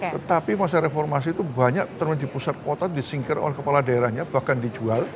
tetapi masa reformasi itu banyak teman di pusat kota disingkir oleh kepala daerahnya bahkan dijual